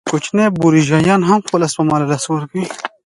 کوچني بورژوایان هم خپله سپما له لاسه ورکوي